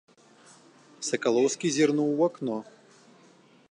Сакалоўскі зірнуў у акно.